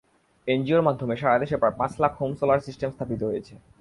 এনজিওর মাধ্যমে সারা দেশে প্রায় পাঁচ লাখ হোম সোলার সিস্টেম স্থাপিত হয়েছে।